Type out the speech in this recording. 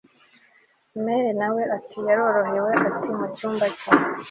mere nawe ati yarorohewe, ari mucyumba cye!